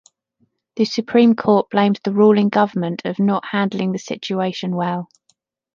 The Supreme court blamed the ruling government of not handling the situation well.